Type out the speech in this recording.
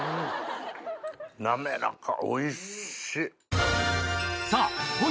滑らかおいしい。